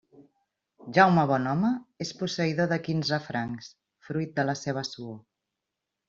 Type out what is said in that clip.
Jaume Bonhome és posseïdor de quinze francs, fruit de la seua suor.